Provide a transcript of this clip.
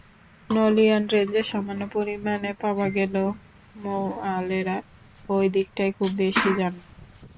নলিয়ান রেঞ্জে সামান্য পরিমাণে পাওয়া গেলেও মৌয়ালেরা ওদিকটায় খুব বেশি যান না।